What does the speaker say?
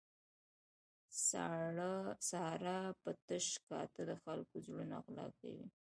ساره په تش کاته د خلکو زړونه غلا کوي.